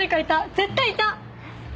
絶対いた！